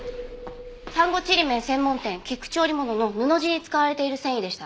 丹後ちりめん専門店菊池織物の布地に使われている繊維でした。